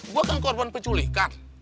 gue kan korban peculikan